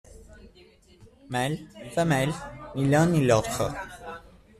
Mâle, Femelle, Ni l'un ni l'autre.